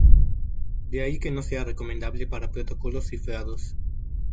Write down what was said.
De ahí que no sea recomendable para protocolos cifrados.